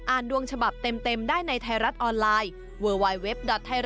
ดวงฉบับเต็มได้ในไทยรัฐออนไลน์